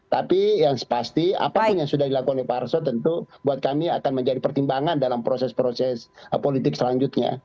tapi yang sepasti apapun yang sudah dilakukan oleh pak arso tentu buat kami akan menjadi pertimbangan dalam proses proses politik selanjutnya